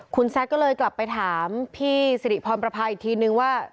คุณแซคก็เลยกลับไปถามพี่สิริพรประพาอีกทีนึงว่า